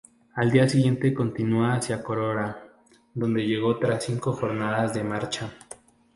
Al día siguiente continua hacia Carora, donde llegó tras cinco jornadas de marcha.